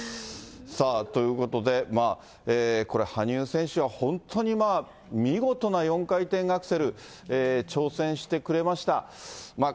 さあ、ということで、これ、羽生選手は本当にまあ、見事な４回転アクセル、挑戦してくれました。